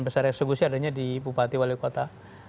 besar eksekusi adanya di bupati wali kota